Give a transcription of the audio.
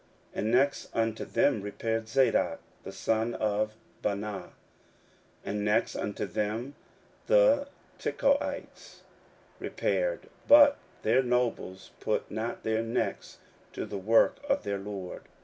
And next unto them repaired Zadok the son of Baana. 16:003:005 And next unto them the Tekoites repaired; but their nobles put not their necks to the work of their LORD.